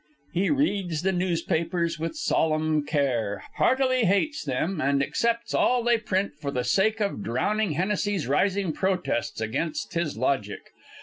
He reads the newspapers with solemn care, heartily hates them, and accepts all they print for the sake of drowning Hennessy's rising protests against his logic.